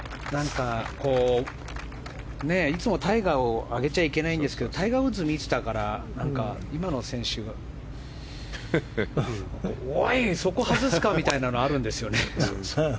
いつも、タイガーを挙げちゃいけないんですけどタイガー・ウッズを見てたから今の選手はおい、そこ外すか！みたいなのあるんですよね。